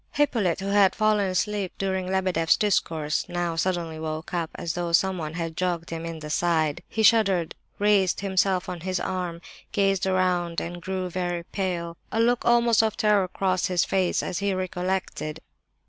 V. Hippolyte, who had fallen asleep during Lebedeff's discourse, now suddenly woke up, just as though someone had jogged him in the side. He shuddered, raised himself on his arm, gazed around, and grew very pale. A look almost of terror crossed his face as he recollected.